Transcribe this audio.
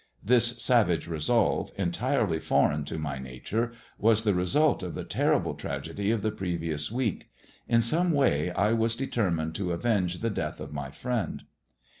This savage resolve, entirely foreign to my nature, was the result of the terrible tragedy of the previous week. In some way I was determined tb avenge the death of my friend.